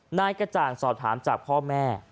นายกระจ่างสอบถามจากพ่อแม่